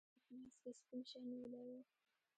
هغه په لاس کې سپین شی نیولی و.